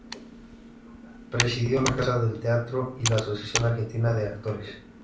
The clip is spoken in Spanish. Presidió la Casa del Teatro y la Asociación Argentina de Actores.